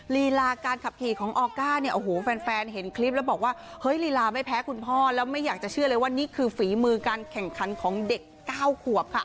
ลีลาการขับขี่ของออก้าเนี่ยโอ้โหแฟนเห็นคลิปแล้วบอกว่าเฮ้ยลีลาไม่แพ้คุณพ่อแล้วไม่อยากจะเชื่อเลยว่านี่คือฝีมือการแข่งขันของเด็ก๙ขวบค่ะ